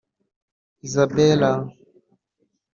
Isabella